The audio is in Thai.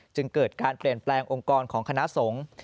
จึงเกิดการเปลี่ยนแปลงองค์กรของคณะสงฆ์